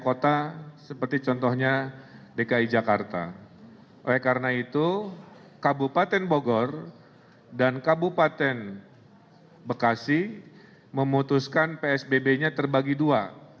oleh karena itu kabupaten bogor dan kabupaten bekasi memutuskan psbb nya terbagi dua